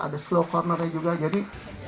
ada slow cornernya juga jadi